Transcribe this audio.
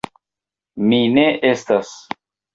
mi ne estas.